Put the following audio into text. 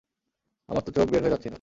আমার তো চোখ বের হয়ে যাচ্ছিল।